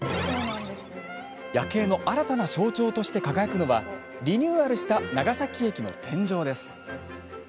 夜景の新たな象徴として輝くのはリニューアルした長崎駅の天井です。